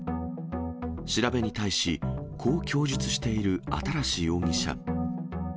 調べに対し、こう供述している新容疑者。